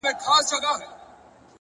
پوهه د ذهن افق ته رڼا ورکوي